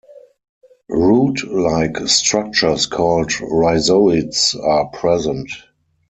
Root like structures called rhizoids are present.